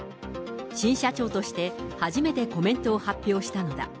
新社長として初めてコメントを発表したのだ。